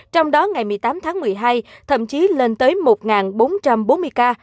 trong đó ngày một mươi tám tháng một mươi hai thậm chí lên tới một bốn trăm bốn mươi ca